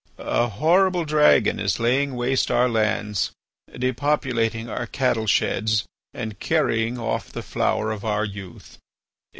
A horrible dragon is laying waste our lands, depopulating our cattle sheds, and carrying off the flower of our youth.